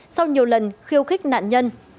sau nhiều lần khiêu khích nạn nhân